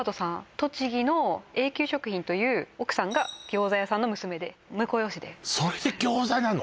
栃木の栄久食品という奥さんが餃子屋さんの娘で婿養子でそれで餃子なの！？